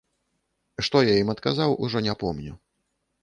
Што я ім адказаў, ужо не помню.